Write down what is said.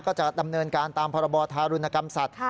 ก็จะดำเนินการตามพรบธารุณกรรมสัตว